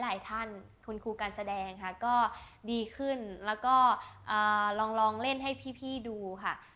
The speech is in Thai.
หลายท่านคุณครูการแบบแซงค่ะ